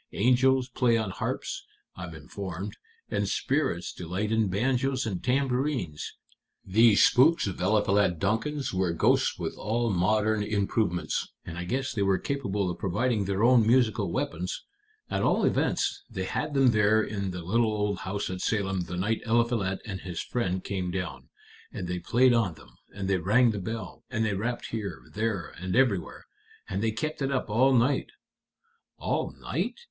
Angels play on harps, I'm informed, and spirits delight in banjos and tambourines. These spooks of Eliphalet Duncan's were ghosts with all modern improvements, and I guess they were capable of providing their own musical weapons. At all events, they had them there in the little old house at Salem the night Eliphalet and his friend came down. And they played on them, and they rang the bell, and they rapped here, there, and everywhere. And they kept it up all night." "All night?"